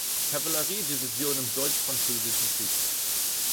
Kavallerie-Division im Deutsch-Französischen Krieg.